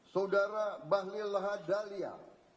saudara bahlil laha dahlia